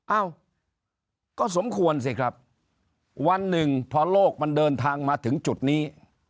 เอ้าก็สมควรสิครับวันหนึ่งพอโลกมันเดินทางมาถึงจุดนี้